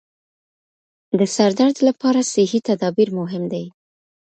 د سردرد لپاره صحي تدابیر مهم دي.